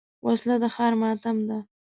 وسله د ښار ماتم ده